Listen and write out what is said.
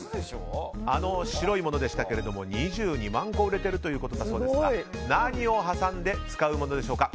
あの白いものでしたが２２万個売れているそうですが何を挟んで使うものでしょうか。